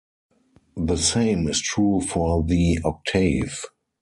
The same is true for the octave.